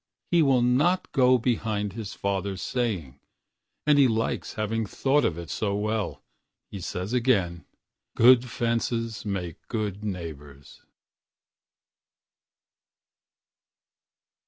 He will not go behind his father's saying, And he likes having thought of it so wellHe says again, "Good fences make good neighbors."